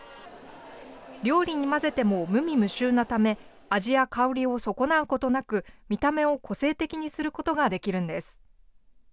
料理に混ぜても無味無臭なため、味や香りを損なうことなく、見た目を個性的にすることができるんです。